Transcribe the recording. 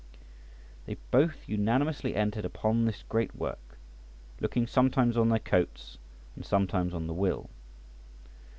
They both unanimously entered upon this great work, looking sometimes on their coats and sometimes on the will.